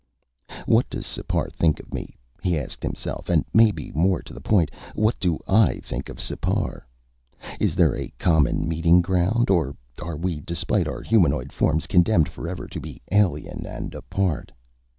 What does Sipar think of me, he asked himself, and maybe more to the point, what do I think of Sipar? Is there a common meeting ground? Or are we, despite our humanoid forms, condemned forever to be alien and apart?